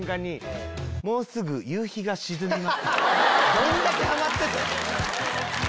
どんだけはまっててん？